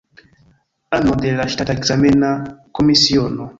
Ano de la ŝtata ekzamena komisiono.